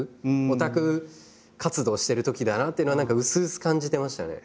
オタク活動してるときだなってのは何かうすうす感じてましたね。